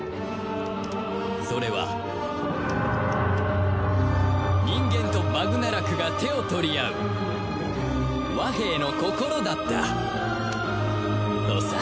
それは人間とバグナラクが手を取り合う和平の心だったとさ